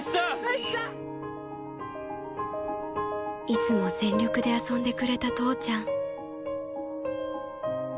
［いつも全力で遊んでくれた父ちゃん］